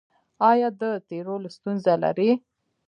ایا د تیرولو ستونزه لرئ؟